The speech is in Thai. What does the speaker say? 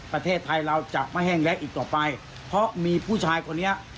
ประเทศไทยเราจะไม่แห้งแรงอีกต่อไปเพราะมีผู้ชายคนนี้